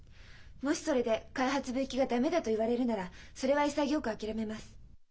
もしそれで開発部行きが駄目だと言われるならそれは潔く諦めます。